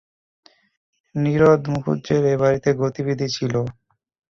নীরদ মুখুজ্জের এ বাড়িতে গতিবিধি ছিল।